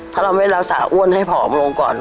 ถ้าเราไม่รักษาอ้วนให้ผอมลงก่อน